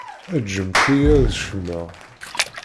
Ǧǧemt-iyi ad kecmeɣ.